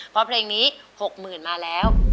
เพราะเพลงนี้๖๐๐๐มาแล้ว